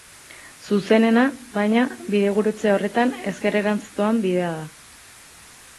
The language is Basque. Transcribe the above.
Zuzenena, baina, bidegurutze horretan, ezkerrerantz doan bidea da.